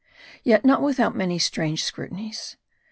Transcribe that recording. Yet not without many strange scrutinies.